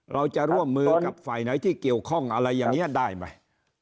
เราจะร่วมมือกับฝ่ายไหนที่เกี่ยวข้องอะไรอย่างนี้ได้ไหม